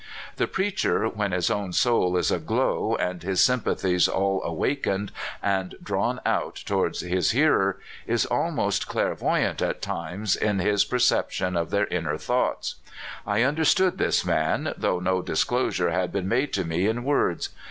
The preacher, when his own soul is aglow and his sym pathies all awakened and drawn out toward his AT rnj': i:ni). 335 hearers, is almost clairvoyant at times in his per ception of their inner thoughts. I understood this man, though no disclosure had been made to me in words.